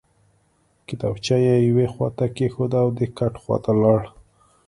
کتابچه یې یوې خواته کېښوده او د کټ خواته لاړ